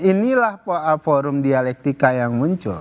inilah forum dialektika yang muncul